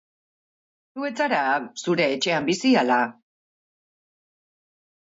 Zu ez zara zure etxean bizi, ala?